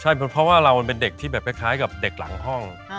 ใช่เพราะว่าเรามันเป็นเด็กที่แบบคล้ายกับเด็กหลังห้อง